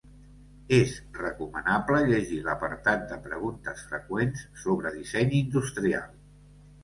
És recomanable llegir l'apartat de preguntes freqüents sobre disseny industrial.